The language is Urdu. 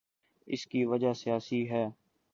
اس کی وجہ سیاسی ہے۔